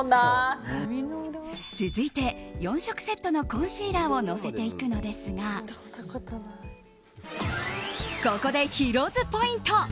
続いて４色セットのコンシーラーをのせていくのですがここでヒロ’ｓポイント。